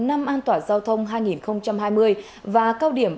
năm an toàn giao thông hai nghìn hai mươi và cao điểm bảo đảm tự an toàn giao thông